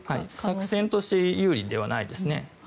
作戦として有利ではないですね。